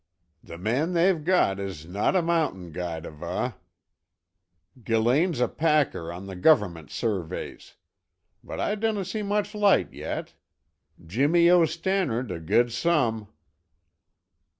"The man they've got is no' a mountain guide ava; Gillane's a packer on the Government surveys. But I dinna see much light yet. Jimmy owes Stannard a guid sum."